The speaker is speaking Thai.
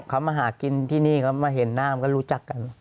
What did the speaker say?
เขามาหากินที่นี่เขามาเห็นหน้ามันก็รู้จักกัน